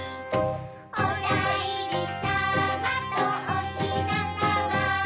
おだいりさまとおひなさま